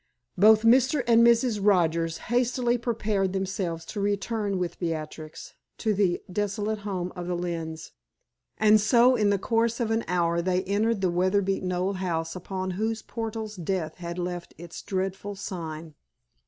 Both Mr. and Mrs. Rogers hastily prepared themselves to return with Beatrix to the desolate home of the Lynnes; and so in the course of an hour they entered the weather beaten old house upon whose portals death had left its dreadful sign.